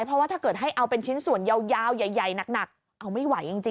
เพราะว่าถ้าเกิดให้เอาเป็นชิ้นส่วนยาวใหญ่หนักเอาไม่ไหวจริง